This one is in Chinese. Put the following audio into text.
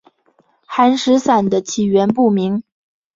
寒食散的起源不明。